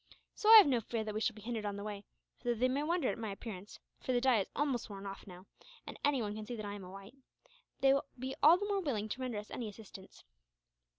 So I have no fear that we shall be hindered on the way; for though they may wonder at my appearance for the dye has now almost worn off, and anyone can see that I am a white they will be all the more willing to render us any assistance.